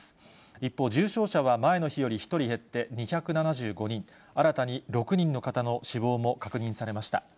一方、重症者は前の日より１人減って、２７５人、新たに６人の方の死亡も確認されました。